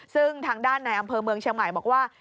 ซึ่งทางด้านในอำเภอเมืองเชียงใหม่บอกว่า